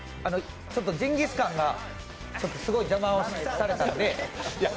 ジンギスカンがすごい邪魔をされたんで。